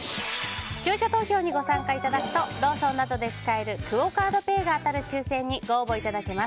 視聴者投票にご参加いただくとローソンなどで使えるクオ・カードペイが当たる抽選にご応募いただけます。